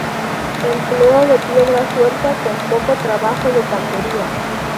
Empleo de la piedra suelta con poco trabajo de cantería.